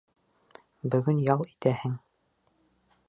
Бөгөн ял итәһең.